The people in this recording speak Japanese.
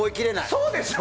そうでしょ！